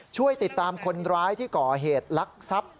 ช่วยติดตามคนร้ายที่ก่อเหตุลักษัพ